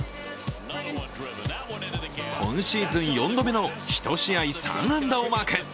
今シーズン４度目の１試合３安打をマーク。